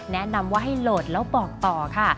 แนะนำว่าให้โหลดแล้วบอกต่อค่ะ